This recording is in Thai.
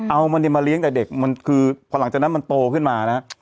เอามันเนี่ยมาเลี้ยงแต่เด็กมันคือพอหลังจากนั้นมันโตขึ้นมานะฮะ